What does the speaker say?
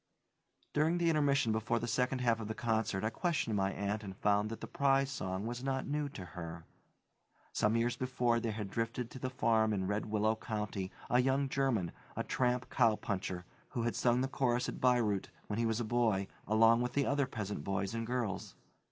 During the intermission before the second half of the concert, I questioned my aunt and found that the "Prize Song" was not new to her. Some years before there had drifted to the farm in Red Willow County a young German, a tramp cowpuncher, who had sung the chorus at Bayreuth, when he was a boy, along with the other peasant boys and girls.